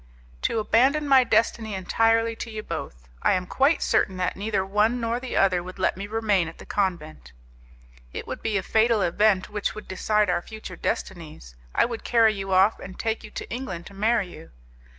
"To abandon my destiny entirely to you both. I am quite certain that neither one nor the other would let me remain at the convent." "It would be a fatal event which would decide our future destinies. I would carry you off, and take you to England to marry you."